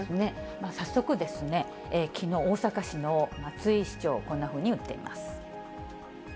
早速ですね、きのう、大阪市の松井市長、こんなふうに言っています。